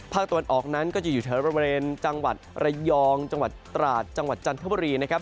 ตะวันออกนั้นก็จะอยู่แถวบริเวณจังหวัดระยองจังหวัดตราดจังหวัดจันทบุรีนะครับ